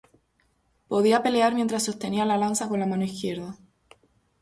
Podía pelear mientras sostenía la lanza con la mano izquierda.